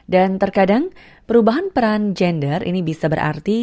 dan terkadang perubahan peran gender ini bisa berarti